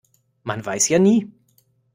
Man weiß ja nie.